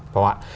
phải không ạ